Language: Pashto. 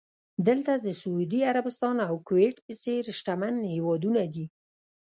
دلته د سعودي عربستان او کوېټ په څېر شتمن هېوادونه دي.